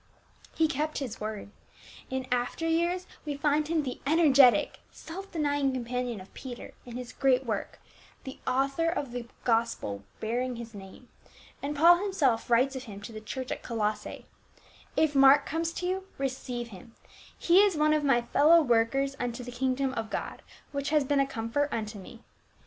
He kept his word ; in after years we find him the energetic self denying companion of Peter in his great work, the author of the gospel bearing his name, and Paul himself writes of him to the church at Colossae, " If Mark comes to you, receive him ; he is one of my fellow workers unto the kingdom of God, which has been a comfort unto me."